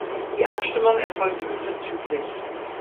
Die Abstimmung erfolgt unverzüglich.